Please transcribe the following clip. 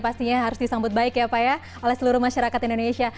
pastinya harus disambut baik ya pak ya oleh seluruh masyarakat indonesia